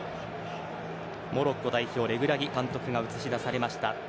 モロッコ代表、レグラギ監督が映し出されていました。